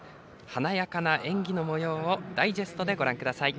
華やかな演技のもようをダイジェストでご覧ください。